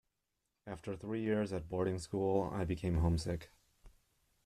After three years at boarding school I became homesick.